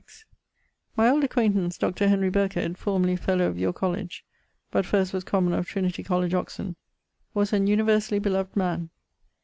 My old acquaintance, Dr. Henry Birkhed, formerly fellow of your college (but first was commoner of Trinity College Oxon) was an universally d man.